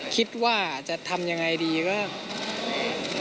คิดว่าจะทำยังไงดีก็